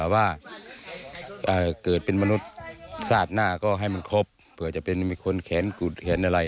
ว่าเกิดเป็นมนุษย์สาดหน้าก็ให้มันครบเผื่อจะเป็นมีคนแขนกุดแขนอะไร